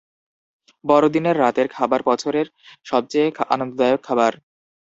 বড়দিনের রাতের খাবার বছরের সবচেয়ে আনন্দদায়ক খাবার।